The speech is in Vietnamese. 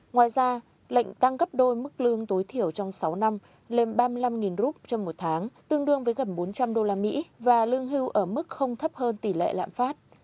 ngoài ra lệnh tăng gấp đôi mức lương tối thiểu trong sáu năm lên ba mươi năm rup trong một tháng tương đương với gần bốn trăm linh usd và lương hưu ở mức không thấp hơn tỷ lệ lạm phát